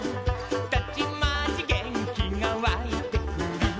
「たちまち元気がわいてくる」